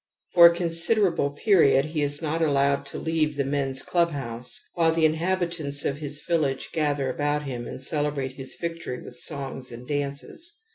For a consider able period he is not allowed to leave the men's club house, while the inhabitants of his village gather about him and celebrate his victory with songs and dances.